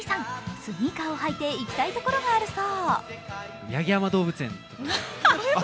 スニーカーを履いて行きたいところがあるそう。